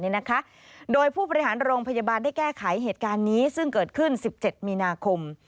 นะคะโดยผู้บริหารโรงพยาบาลได้แก้ไขเหตุการณ์นี้ซึ่งเกิดขึ้น๑๗มีนาคม